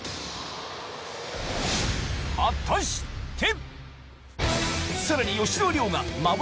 果たして！